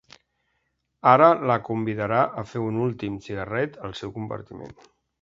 Ara la convidarà a fer un últim cigarret al seu compartiment.